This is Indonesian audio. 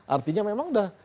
artinya memang udah